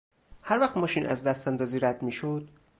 هر وقت ماشین از دستاندازی رد میشد...